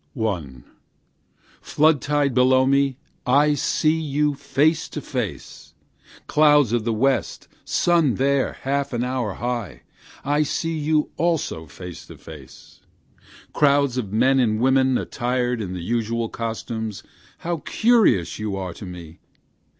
Flood tide below me! I watch you face to face; Clouds of the west! sun there half an hour high! I see you also face to face. 2. Crowds of men and women attired in the usual costumes, how curious you are to me!